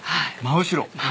真後ろ。